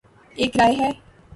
ایک رائے ہے۔